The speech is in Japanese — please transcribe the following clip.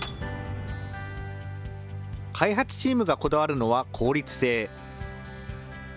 開発チームがこだわるのは効率性。